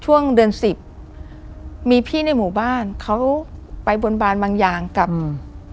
ช่วงเดือนสิบมีพี่ในหมู่บ้านเขาไปบนบานบางอย่างกับอืม